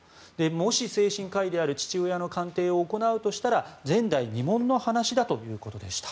もし精神科医である父親の鑑定を行うとしたら前代未聞の話だということでした。